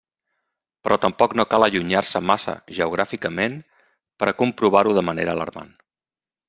Però tampoc no cal allunyar-se massa geogràficament per a comprovar-ho de manera alarmant.